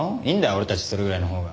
俺たちそれぐらいのほうが。